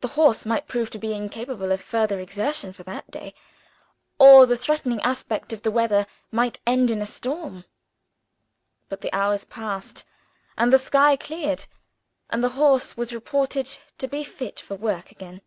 The horse might prove to be incapable of further exertion for that day. Or the threatening aspect of the weather might end in a storm. But the hours passed and the sky cleared and the horse was reported to be fit for work again.